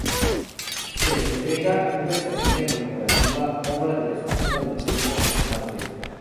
Se entrega una estatuilla conmemorativa obra de la escultora Mercedes Naranjo Márquez.